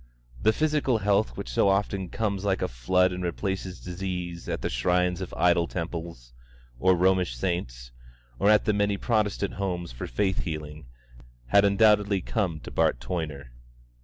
The physical health which so often comes like a flood and replaces disease at the shrines of idol temples, of Romish saints, or, at the many Protestant homes for faith healing, had undoubtedly come to Bart Toyner.